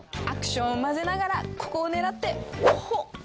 アクションを混ぜながらここを狙ってほっ！